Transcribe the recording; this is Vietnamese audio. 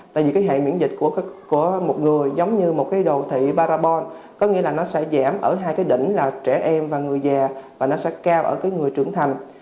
tại vì hệ miễn dịch của một người giống như một đồ thị parabol có nghĩa là nó sẽ giảm ở hai đỉnh là trẻ em và người già